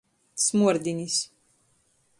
Smuordinis.